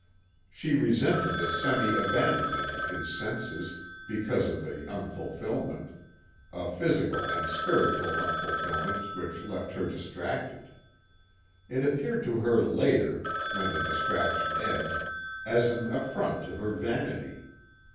She resented the semi abandonment of his senses because of the unfulfillment a physical and spiritual unfulfillment which left her distracted. It appeared to her later, when the distraction ebbed, as an affront to her vanity.